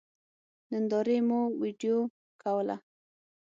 نندارې مو وېډيو کوله.